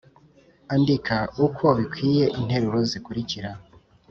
Andika uko bikwiye interuro zikurikira